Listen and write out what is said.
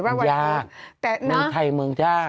มันยากมือไทยมือยาก